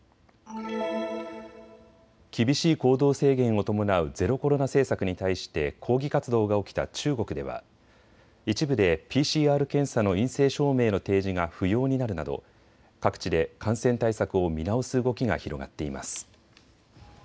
厳しい行動制限を伴うゼロコロナ政策に対して抗議活動が起きた中国では一部でＰＣＲ検査の陰性証明の提示が不要になるなど各地で感染対策を見直す動きが広がっています。